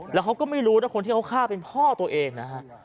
แล้วเขาก็ไม่รู้นะคนที่เขาฆ่าเป็นพ่อตัวเองนะฮะ